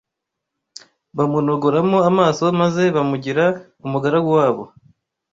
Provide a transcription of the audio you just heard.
bamunogoramo amaso maze bamugira umugaragu wabo.